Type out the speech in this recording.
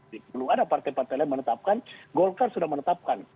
jadi belum ada partai partai lain menetapkan golkar sudah menetapkan